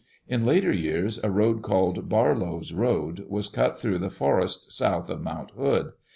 In later years a road called Barlow's Road was cut through the forests south of Mount Hood.